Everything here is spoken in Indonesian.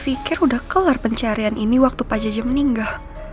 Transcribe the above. gue fikir udah kelar pencarian ini waktu pak jajah meninggal